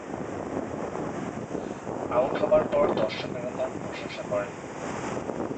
Out হবার পর দর্শকেরা তার প্রশংসা করে।